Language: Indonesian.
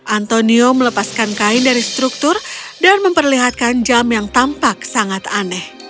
antonio melepaskan kain dari struktur dan memperlihatkan jam yang tampak sangat aneh